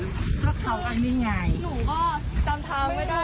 ไม่ต้องใจเดี๋ยวเราคุยกับลูกค้าที่นี่นะคะ